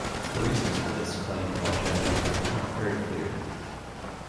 The reasons for this claimed longevity are not very clear.